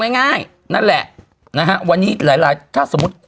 นะฮะวันนี้หลายถ้าสมมุติ